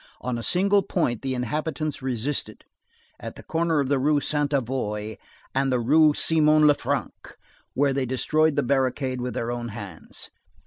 On a single point the inhabitants resisted, at the corner of the Rue Sainte Avoye and the Rue Simon Le Franc, where they destroyed the barricade with their own hands.